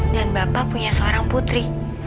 dan bapak punya seorang putri